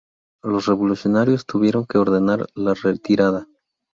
Los revolucionarios tuvieron que ordenar la retirada.